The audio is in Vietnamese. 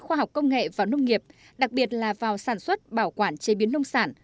học công nghệ và nông nghiệp đặc biệt là vào sản xuất bảo quản chế biến nông sản